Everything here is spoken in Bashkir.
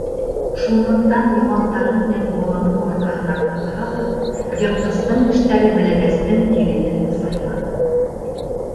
Шунлыҡтан яңаҡтары менән баланың арҡаһынан ҡыҫһа ла, йыртҡыстың тештәре бәләкәстең тиреһен сыйманы.